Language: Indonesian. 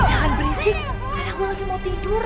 jangan berisik kadang gue lagi mau tidur